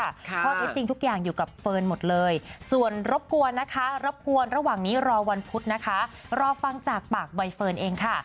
ข้อเท็จจริงทุกอย่างอยู่กับเฟิร์นหมดเลยส่วนรบกวนนะคะรบกวนระหว่างนี้รอวันพุธนะคะรอฟังจากปากใบเฟิร์นเองค่ะ